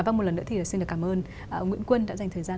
và một lần nữa thì xin cảm ơn nguyễn quân đã dành thời gian